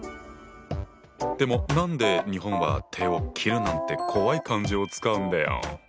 でも何で日本は手を切るなんて怖い漢字を使うんだよ？